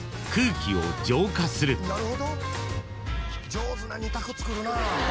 上手な２択作るなぁ。